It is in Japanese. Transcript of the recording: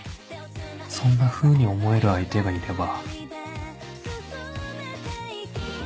そんなふうに思える相手がいれば